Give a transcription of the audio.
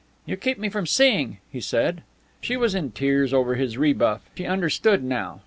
"You keep me from seeing," he said. She was in tears over his rebuff. She understood now.